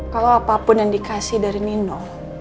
kalau apapun yang dikasih dari nino